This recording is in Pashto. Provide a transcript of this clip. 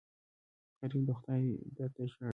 غریب د خدای در ته ژاړي